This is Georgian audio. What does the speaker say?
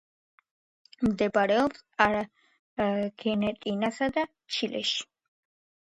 მდებარეობს არგენტინასა და ჩილეში.